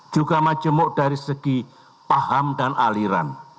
juga majemuk dari segi paham dan aliran